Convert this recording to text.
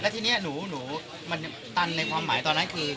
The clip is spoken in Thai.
ทีนี้หนูมันตันในความหมายตอนนั้นคือ